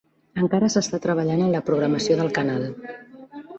Encara s'està treballant en la programació del canal